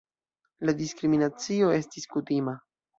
La diskriminacio estis kutima.